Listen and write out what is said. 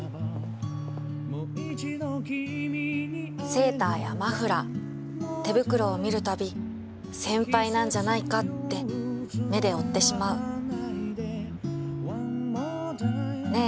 セーターやマフラー手袋を見る度先輩なんじゃないかって目で追ってしまうねえ